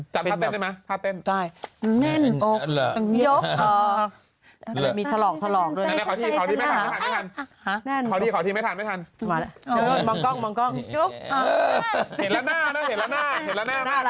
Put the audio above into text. จับภาพเต้นได้มั้ยภาพเต้น